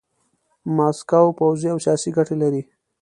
ماسکو پوځي او سیاسي ګټې لري.